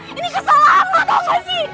ini kesalahan lo tau gak sih